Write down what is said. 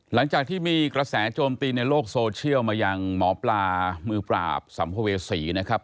หลังจากที่มีกระแสโจมตีในโลกโซเชียลมายังหมอปลามือปราบสัมภเวษีนะครับ